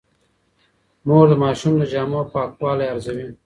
مور د ماشوم د جامو پاکوالی ارزوي.